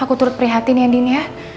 aku turut prihatin ya andi ya